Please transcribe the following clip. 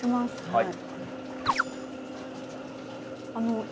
はい。